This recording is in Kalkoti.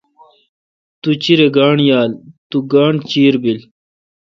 تو چیرہ گانٹھ یال۔۔تو گانٹھ چیر بیل۔